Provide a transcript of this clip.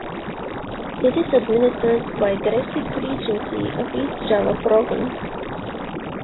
It is administered by Gresik Regency of East Java province.